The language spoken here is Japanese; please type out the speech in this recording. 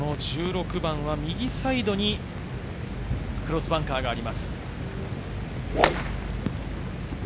１６番は右サイドにクロスバンカーがあります。